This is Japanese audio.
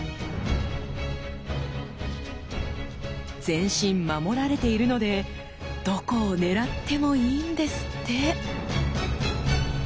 全身守られているのでどこを狙ってもいいんですって！